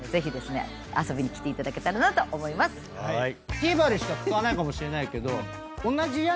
ＴＶｅｒでしか使わないかもしれないけど。